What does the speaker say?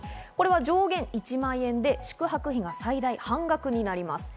上限１万円で宿泊費が最大半額になります。